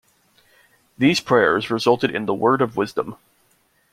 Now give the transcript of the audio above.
These prayers resulted in the "Word of Wisdom".